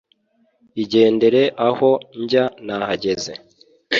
igendere aho njya nahageze.